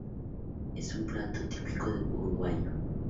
Es un plato típico Uruguayo.